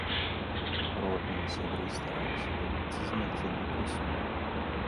Родныя і сябры стараліся дабіцца змякчэння прысуду.